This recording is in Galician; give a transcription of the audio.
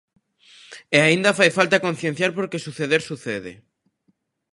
E aínda fai falta concienciar porque suceder, sucede.